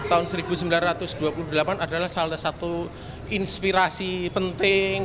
adalah salah satu inspirasi penting